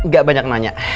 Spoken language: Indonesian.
gak banyak nanya